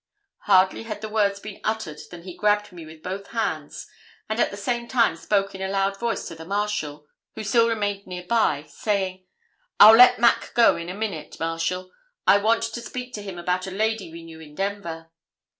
Hardly had the words been uttered than he grabbed me with both hands, and at the same time spoke in a loud voice to the Marshal, who still remained near by, saying, 'I'll let Mack go in a minute, Marshal; I want to speak to him about a lady we knew in Denver.